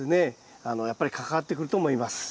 やっぱり関わってくると思います。